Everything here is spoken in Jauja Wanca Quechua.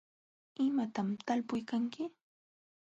¿imatam talpuykanki?